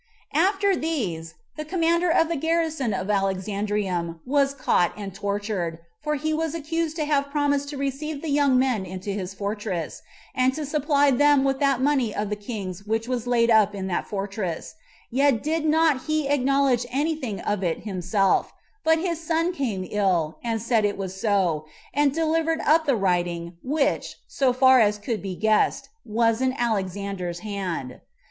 4. After these, the commander of the garrison of Alexandrium was caught and tortured; for he was accused to have promised to receive the young men into his fortress, and to supply them with that money of the king's which was laid up in that fortress, yet did not he acknowledge any thing of it himself; but his son came ill, and said it was so, and delivered up the writing, which, so far as could be guessed, was in Alexander's hand.